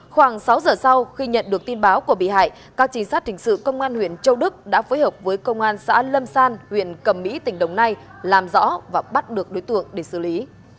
khoảng sáu giờ sau khi nhận được tin báo của bị hại các chính sát hình sự công an huyện châu đức đã phối hợp với công an xã lâm san huyện cầm mỹ tỉnh đồng nai làm rõ và bắt được đối tượng để xử lý